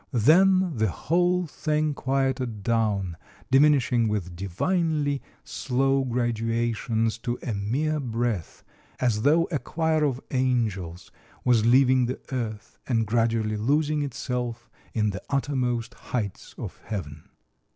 Then the whole thing quieted down, diminishing with divinely slow graduations to a mere breath, as though a choir of angels was leaving the earth and gradually losing itself in the uttermost heights of heaven."